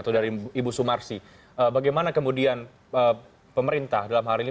atau dari ibu sumarsi bagaimana kemudian pemerintah dalam hal ini